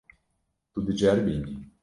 Tu diceribînî.